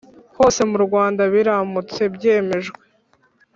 hose mu Rwanda biramutse byemejwe